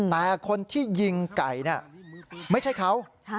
แต่คนที่ยิงไก่ไม่ใช่เขา